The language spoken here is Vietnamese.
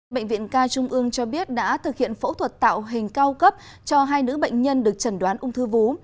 bệnh viện ca trung ương cho biết đã thực hiện phẫu thuật tạo hình cao cấp cho hai nữ bệnh nhân được chẩn đoán ung thư vú